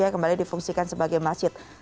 kembali difungsikan sebagai masjid